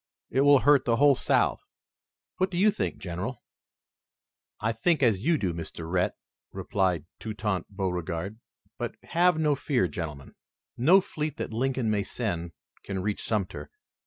It will hurt the whole South. What do you think, General?" "I think as you do, Mr. Rhett," replied Toutant Beauregard. "But have no fear, gentlemen. No fleet that Lincoln may send can reach Sumter.